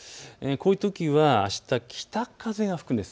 こういうときはあした北風が吹くんです。